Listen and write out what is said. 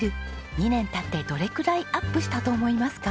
２年経ってどれくらいアップしたと思いますか？